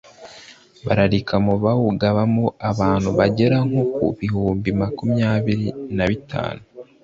bararika mu bawubagamo abantu bagera nko ku bihumbi makumyabiri na bitanu